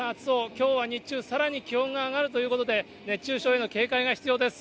きょうは日中、さらに気温が上がるということで、熱中症への警戒が必要です。